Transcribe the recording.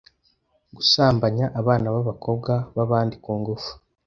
gusambanya abana b'abakobwa babandi kungunfu